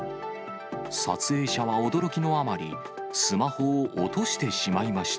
撮影者は驚きのあまり、スマホを落としてしまいました。